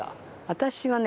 私はね